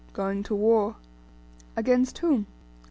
Going to war. Against whom?